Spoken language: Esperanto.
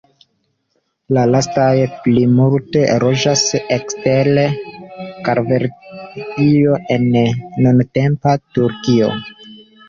La lastaj plimulte loĝas ekster Kartvelio, en nuntempa Turkio.